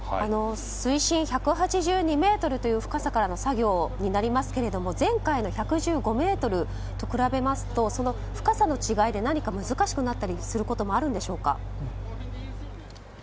水深１８２ｍという深さからの作業になりますけれども前回の１１５ｍと比べますと深さの違いで難しくなったりすることもあるんですか？